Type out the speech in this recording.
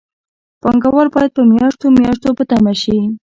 پانګوال باید په میاشتو میاشتو په تمه شي